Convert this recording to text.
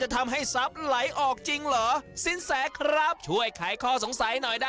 ใช่ไหม